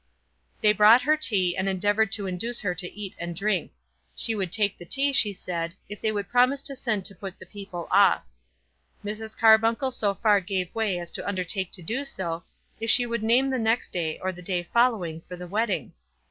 They brought her tea, and endeavoured to induce her to eat and drink. She would take the tea, she said, if they would promise to send to put the people off. Mrs. Carbuncle so far gave way as to undertake to do so, if she would name the next day or the day following for the wedding.